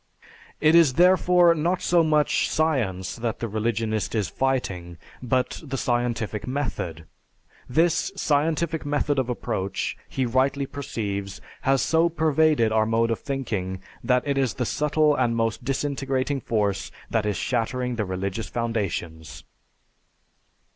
It is therefore not so much Science that the religionist is fighting, but the scientific method. This scientific method of approach, he rightly perceives, has so pervaded our mode of thinking that it is the subtle and most disintegrating force that is shattering the religious foundations.